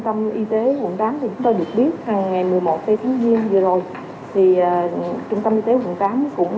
tâm y tế quận tám thì chúng tôi được biết ngày một mươi một tháng một mươi một vừa rồi thì trung tâm y tế quận tám cũng